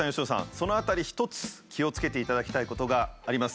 その辺り一つ気をつけていただきたいことがあります。